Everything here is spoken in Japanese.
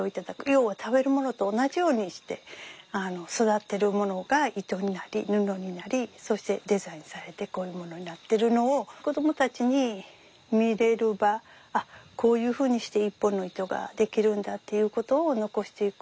要は食べるものと同じようにして育ってるものが糸になり布になりそしてデザインされてこういうものになってるのを子どもたちに見れる場こういうふうにして一本の糸が出来るんだっていうことを残していく。